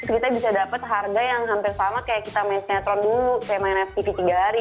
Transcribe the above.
kita bisa dapat harga yang hampir sama kayak kita main sinetron dulu kayak main ftv tiga hari